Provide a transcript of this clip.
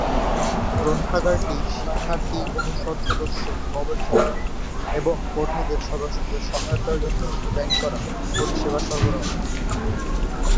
গ্রন্থাগারটি শিক্ষার্থী, অনুষদ সদস্য, গবেষক এবং কর্মীদের সদস্যদের সহায়তার জন্য ডিজাইন করা পরিষেবা সরবরাহ করে।